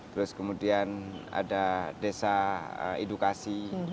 terus kemudian ada desa edukasi